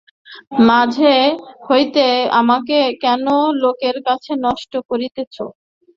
মাঝে হইতে আমাকে কেন লোকের কাছে নষ্ট করিতেছ!